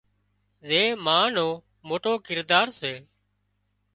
زين ما نو موٽو ڪردار سي